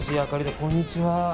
こんにちは。